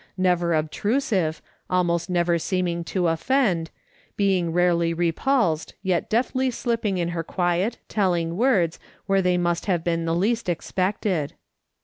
Never obtrusive, almost never seeming to offend, being rarely repulsed, yet deftly slipping in her quiet, telling words where they must have been least ex pected.